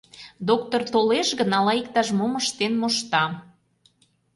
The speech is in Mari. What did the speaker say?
Доктор толеш гын, ала иктаж-мом ыштен мошта...